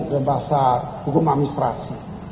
yang bahasa hukum administrasi